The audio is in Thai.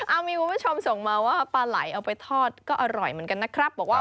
อ่ะมีผู้ชมส่งมาว่าปลาไหล่เอาไปทอดก็อร่อยเหมือนกันนะครับ